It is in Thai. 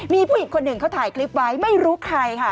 มีผู้หญิงคนหนึ่งเขาถ่ายคลิปไว้ไม่รู้ใครค่ะ